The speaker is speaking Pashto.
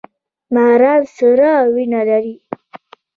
ماران سړه وینه لري